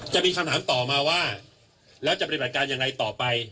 จะมีคำถามต่อมาว่าแล้วจะปฏิบัติการยังไงต่อไป